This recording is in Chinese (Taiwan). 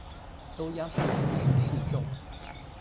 都押上台去示眾